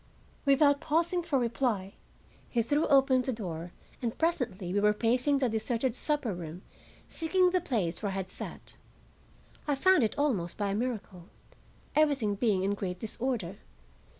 Without pausing for reply, he threw open the door and presently we were pacing the deserted supper room, seeking the place where I had sat. I found it almost by a miracle,—everything being in great disorder.